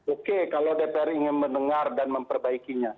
oke kalau dpr ingin mendengar dan memperbaikinya